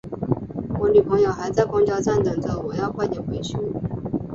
我女朋友还在公交站等着，我要快点回去。